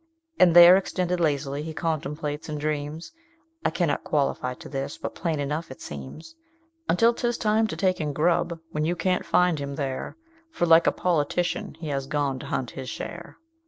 And there extended lazily, he contemplates and dreams, (I cannot qualify to this, but plain enough it seems;) Until 'tis time to take in grub, when you can't find him there, For, like a politician, he has gone to hunt his share.